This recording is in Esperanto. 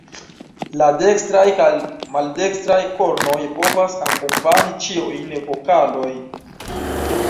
La dekstraj kaj maldekstraj kornoj povas akompani ĉiujn vokalojn.